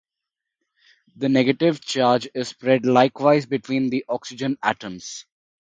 The negative charge is spread likewise between the oxygen atoms.